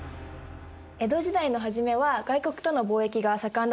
江戸時代の初めは外国との貿易が盛んだったんですね。